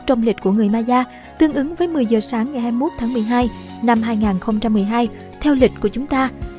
trong lịch của người maya tương ứng với một mươi giờ sáng ngày hai mươi một tháng một mươi hai năm hai nghìn một mươi hai theo lịch của chúng ta